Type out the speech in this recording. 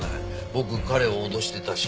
僕彼を脅してたし。